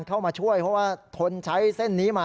เข้ามาช่วยเพราะว่าทนใช้เส้นนี้มา